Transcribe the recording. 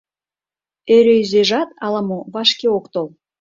Ӧрӧзӧйжат ала-мо вашке ок тол?